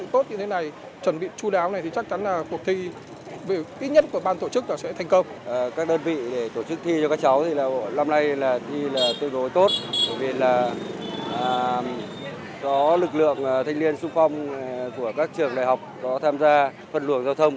bởi vì là có lực lượng thanh niên xung phong của các trường đại học có tham gia phân luồng giao thông